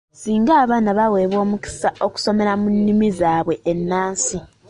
Singa abaana baweebwa omukisa okusomera mu nnimi zaabwe ennansi.